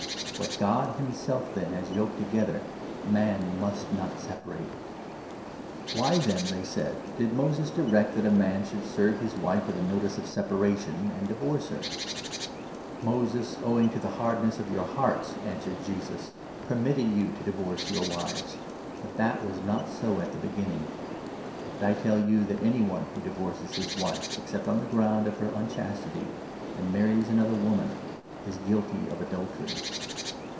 What God himself, 6 then, has yoked together man must not separate." "Why, then," they said, "did Moses direct that a man should 7 ' serve his wife with a notice of separation and divorce her '?"" Moses, owing to the hardness of your hearts," answered 8 Jesus, "permitted you to divorce your wives, but that was not so at the beginning. But I tell you that any one who 9 divorces his wife, except on the ground of her unchastity, and marries another woman, is guilty of adultery."